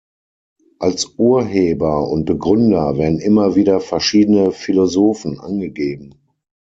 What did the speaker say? Als Urheber und Begründer werden immer wieder verschiedene Philosophen angegeben.